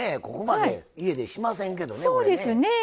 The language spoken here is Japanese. ここまで家でしませんけどね。